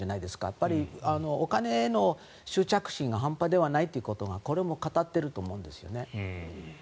やっぱり、お金への執着心が半端ではないということがこれも語っていると思うんです。